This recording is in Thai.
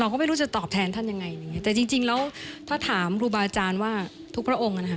ก็ไม่รู้จะตอบแทนท่านยังไงอย่างเงี้แต่จริงจริงแล้วถ้าถามครูบาอาจารย์ว่าทุกพระองค์อ่ะนะคะ